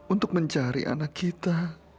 untuk mencari anak kita